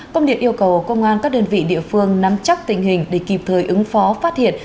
công điện yêu cầu công an các đơn vị địa phương nắm chắc tình hình để kịp thời ứng phó phát hiện